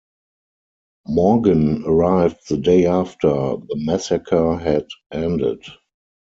Morgen arrived the day after the massacre had ended.